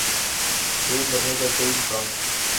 دوب مرنے کا کوئی مقام ہے